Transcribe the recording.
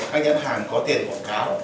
các nhà hàng có tiền bảng cáo